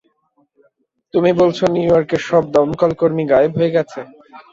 তুমি বলছো নিউইয়র্কের সব দমকলকর্মী, গায়েব হয়ে গেছে?